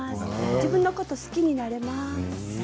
自分のことが好きになれます。